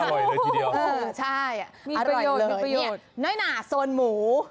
อร่อยเลยครับแต่ยังงี้น้อยหน่าสนหมู